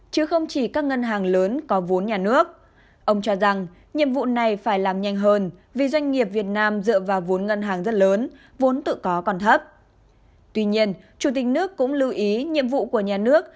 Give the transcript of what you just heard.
chủ tịch nước cũng nhấn mạnh trong giai đoạn khó khăn